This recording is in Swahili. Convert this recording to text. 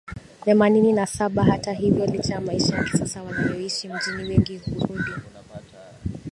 Themanini na saba Hata hivyo licha ya maisha ya kisasa wanayoishi mjini wengi hurudi